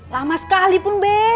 lama sekali pun be